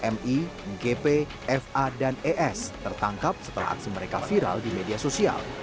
mi mgp fa dan es tertangkap setelah aksi mereka viral di media sosial